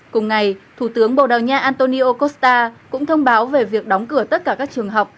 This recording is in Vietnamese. cùng ngày thủ tướng bồ đào nha antonio kosta cũng thông báo về việc đóng cửa tất cả các trường học